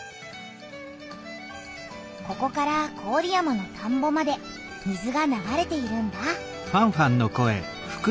ここから郡山の田んぼまで水が流れているんだ。